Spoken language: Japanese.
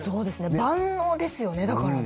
万能ですね。